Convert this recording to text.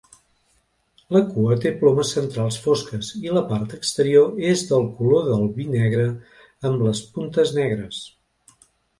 La cua té plomes centrals fosques i la part exterior és del color del vi negre amb les puntes negres.